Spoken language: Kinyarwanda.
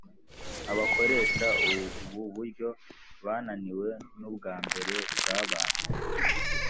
Abakoresha ubu buryo bananiwe nubwambere bwabanje